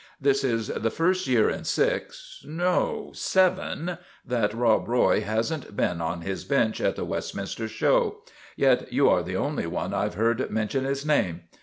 This is the first year in six no, seven that Rob Roy has n't been on his bench at the Westminster show ; yet you are the only one I 've heard mention his name.